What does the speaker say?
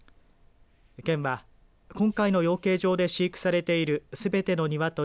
県は今回の養鶏場で飼育されているすべての鶏